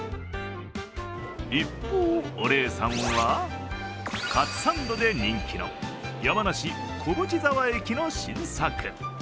一方、お姉さんは、かつサンドで人気の山梨・小淵沢駅の新作。